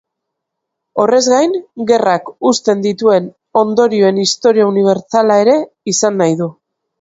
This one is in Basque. Horrez gain, gerrak uzten dituen ondorioen historia unibertsala ere izan nahi du.